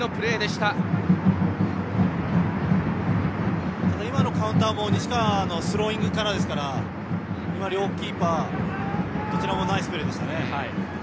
ただ、今のカウンターも西川のスローイングからですから両キーパーどちらもナイスプレーでした。